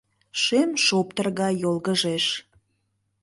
Шем шоптыр гай йолгыжеш!